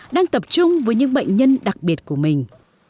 đang tập trung với những bệnh nhân đặc biệt của mình